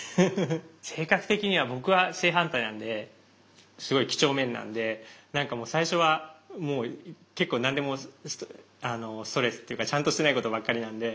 性格的には僕は正反対なんですごい几帳面なんで何かもう最初はもう結構何でもストレスっていうかちゃんとしてないことばっかりなんで。